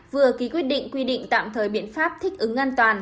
vừa ký quyết định quy định tạm thời biện pháp thích ứng an toàn